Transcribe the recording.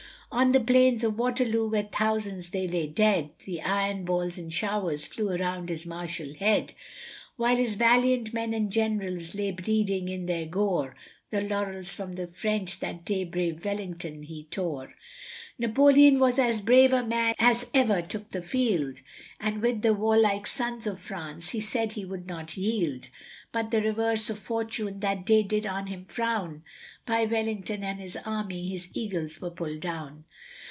On the plains of Waterloo where thousands they lay dead, The iron balls in showers flew around his martial head, While his valiant men and generals lay bleeding in their gore, The laurels from the French that day brave Wellington he tore. Napoleon was as brave a man as ever took the field, And with the warlike sons of France he said he would not yield; But the reverse of fortune that day did on him frown, By Wellington and his army his eagles were pulled down.